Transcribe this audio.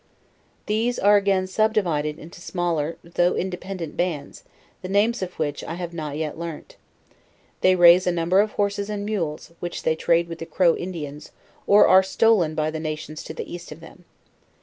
r [ hese are again sub divided into smaller though independent bands, the names of which I have not yet learnt; they raise a num ber of horses and mules, which they trade with the Crow In dians, or are stolen by the nations to the east of them.